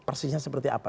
persisnya seperti apa